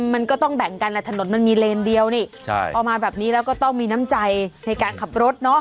มันก็ต้องแบ่งกันแหละถนนมันมีเลนเดียวนี่พอมาแบบนี้แล้วก็ต้องมีน้ำใจในการขับรถเนาะ